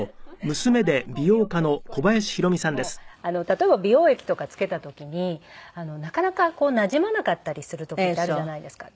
例えば美容液とかつけた時になかなかなじまなかったりする時ってあるじゃないですか。